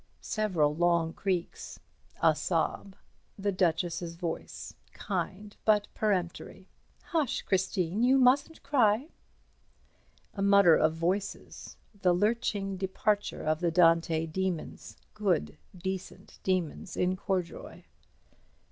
Several long creaks. A sob. The Duchess's voice, kind but peremptory. "Hush, Christine. You mustn't cry." A mutter of voices. The lurching departure of the Dante demons—good, decent demons in corduroy. Dr.